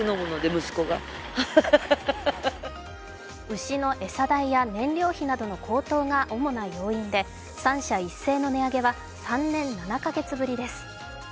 牛の餌代や燃料費などの高騰が主な要因で３社一斉の値上げは３年７か月ぶりです。